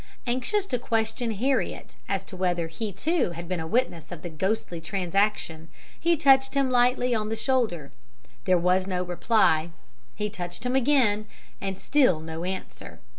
"Anxious to question Heriot as to whether he, too, had been a witness of the ghostly transaction he touched him lightly on the shoulder. There was no reply. He touched him again, and still no answer.